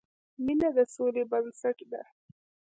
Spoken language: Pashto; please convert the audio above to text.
مینه د سولې بنسټ ده.